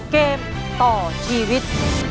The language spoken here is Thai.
เกมต่อชีวิต